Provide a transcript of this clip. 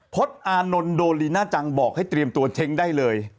อานนท์โดลีน่าจังบอกให้เตรียมตัวเช้งได้เลย